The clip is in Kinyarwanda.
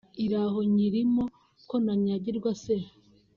iraho nyirimo ko ntanyagirwa se